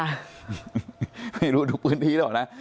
ไม่รู้ทุกพื้นที่หรอกนะ